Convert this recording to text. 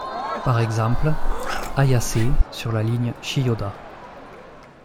Par exemple, Ayase sur la ligne Chiyoda.